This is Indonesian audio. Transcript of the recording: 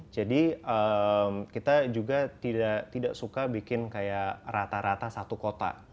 jadi kita juga tidak suka bikin kayak rata rata satu kota